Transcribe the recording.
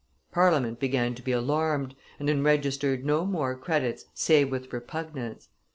Parliament began to be alarmed, and enregistered no more credits save with repugnance.